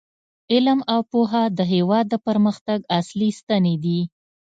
علم او پوهه د هیواد د پرمختګ اصلي ستنې دي.